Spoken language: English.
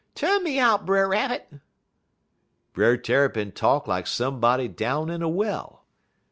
Tu'n me out, Brer Rabbit.' "Brer Tarrypin talk lak somebody down in a well.